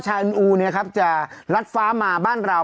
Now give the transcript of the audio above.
ชาอึนอูเนี้ยครับจะรัดฟ้ามาบ้านเรา